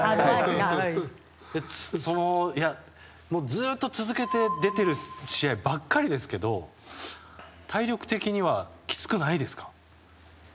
ずっと続けて出てる試合ばっかですけど体力的にはきつくないですか？